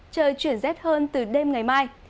trời chuyển rét hơn từ đêm ngày mai